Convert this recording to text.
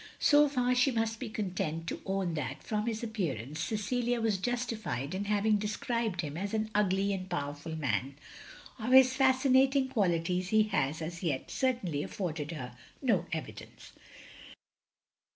So far she must be content to own that, from his appearance, Cecilia was justified in having described him as an ugly and powerful man; of his fascinating qualities he had, as yet, certainly afforded her no evidence.